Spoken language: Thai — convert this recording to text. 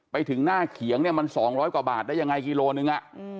ไปถึงหน้าเขียงเนี่ยมัน๒๐๐กว่าบาทได้ยังไงกิโลนึง